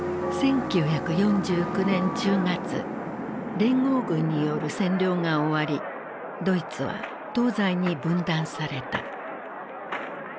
連合軍による占領が終わりドイツは東西に分断された。